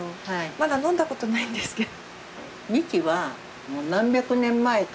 まだ飲んだことないんですけど。